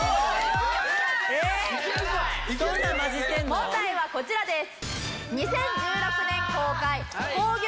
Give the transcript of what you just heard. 問題はこちらです。